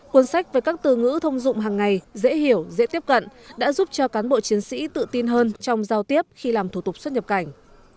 cuốn sách với các từ ngữ thông dụng hàng ngày dễ hiểu dễ tiếp cận đã giúp cho cán bộ chiến sĩ tự tin hơn trong giao tiếp khi làm thủ tục xuất nhập cảnh